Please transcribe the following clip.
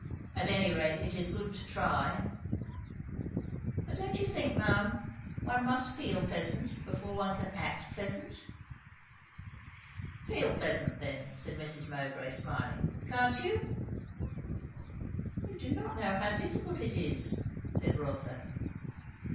At any rate, it is good to try." "But don't you think, ma'am, one must feel pleasant, before one can act pleasant?" "Feel pleasant, then," said Mrs. Mowbray smiling. "Can't you?" "You do not know how difficult it is," said Rotha.